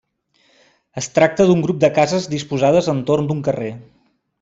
Es tracta d'un grup de cases disposades entorn d'un carrer.